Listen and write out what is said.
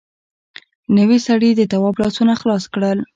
نوي سړي د تواب لاسونه خلاص کړل.